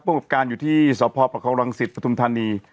ประกอบการณ์อยู่ที่สรภประครองรังสิตประทุมธนีย์